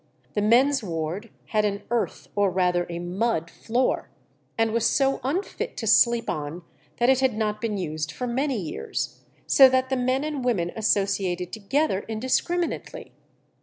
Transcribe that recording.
The men's ward had an earth, or rather a mud, floor, and was so unfit to sleep on that it had not been used for many years, so that the men and women associated together indiscriminately.